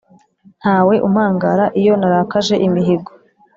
Ntawe umpangara iyo narakaje imihigo